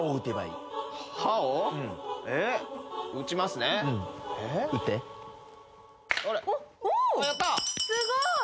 すごい！